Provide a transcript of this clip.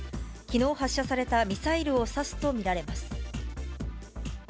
きのう発射されたミサイルを指すと見られます。